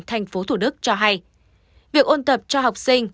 thành phố thủ đức cho hay việc ôn tập cho học sinh